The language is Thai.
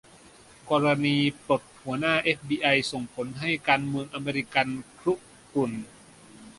กรณีปลดหัวหน้า เอฟบีไอ ส่งผลให้ การเมืองอเมริกัน คุกรุ่น